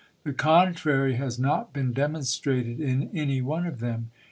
The contrary has not been demon strated in any one of them.